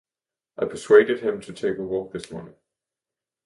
I persuaded him to take a walk this morning.